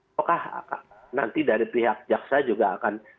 apakah nanti dari pihak jaksa juga akan